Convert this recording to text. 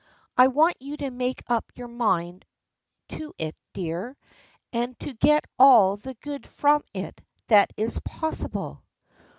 I want you to make up your mind to it, dear, and to get all the good from it that is possible."